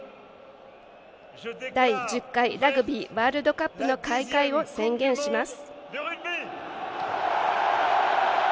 第１０回ラグビーワールドカップ開会を宣言します。